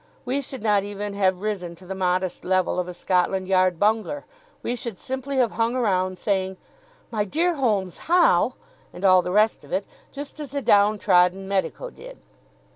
We should not even have risen to the modest level of a Scotland Yard Bungler. We should simply have hung around, saying: "My dear Holmes, how ?" and all the rest of it, just as the downtrodden medico did.